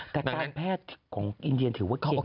แต่การแพทย์ของอินเดียนถือว่าเก่งมาก